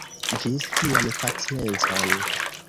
Ĝis tiam, paciencon.